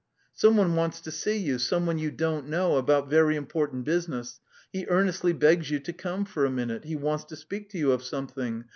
"Some one wants to see you, some one you don't know, about very important business; he earnestly begs you to come for a minute. He wants to speak to you of something.